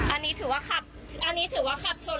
อันนี้ถือว่าคับชนแล้วหนีนะคะถ้าไม่มา